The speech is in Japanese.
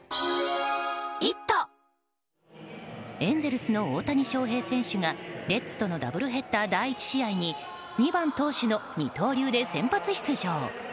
エンゼルスの大谷翔平選手がレッズとのダブルヘッダー第１試合に２番投手の二刀流で先発出場。